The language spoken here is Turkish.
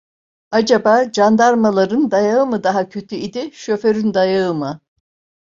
Acaba candarmaların dayağı mı daha kötü idi, şoförün dayağı mı?